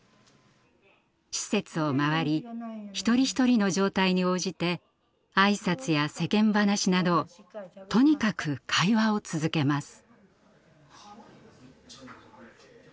施設を回り一人一人の状態に応じて挨拶や世間話などとにかく会話を続けます。